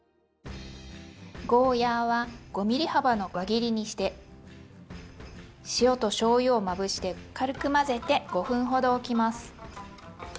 ゴーヤーは５ｍｍ幅の輪切りにして塩としょうゆをまぶして軽く混ぜて５分ほどおきます。